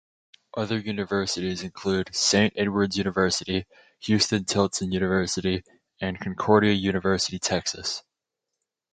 Other universities include Saint Edward's University, Huston-Tillotson University, and Concordia University Texas.